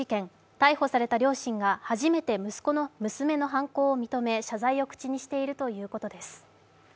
逮捕された両親が初めて娘の犯行を認め、謝罪を口にしているということです。